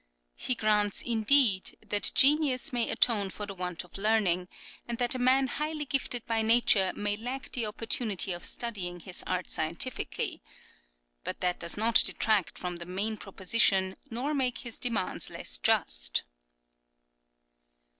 He grants, indeed, that genius may atone for the want of learning, and that a man highly gifted by nature may lack the opportunity of studying his art scientifically. But this does not detract from the main proposition nor make his demands less just.